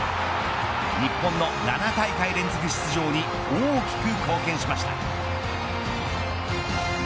日本の７大会連続出場に大きく貢献しました。